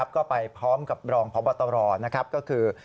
ก็ไปพร้อมกับรองพระบัตรรอนะครับก็คือ